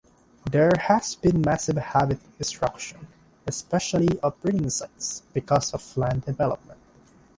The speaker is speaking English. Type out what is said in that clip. There has been massive habit destruction, especially of breeding sites, because of land development.